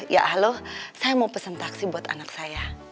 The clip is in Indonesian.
ya halo saya mau pesen taksi buat anak saya